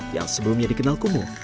yang sebelumnya dikenal kumuh